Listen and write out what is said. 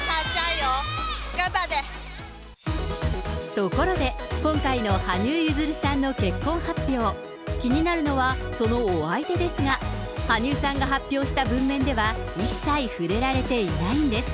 ところで、今回の羽生結弦さんの結婚発表、気になるのは、そのお相手ですが、羽生さんが発表した文面では、一切触れられていないんです。